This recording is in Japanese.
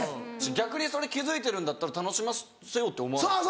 逆にそれ気付いてるんだったら楽しませようって思わないですか。